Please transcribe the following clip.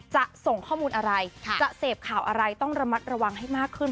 จะส่งข้อมูลอะไรจะเสพข่าวอะไรต้องระมัดระวังให้มากขึ้น